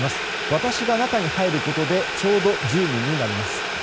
私が中に入ることでちょうど１０人になります。